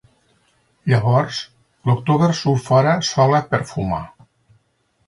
Llavors, l'October surt fora sola per fumar.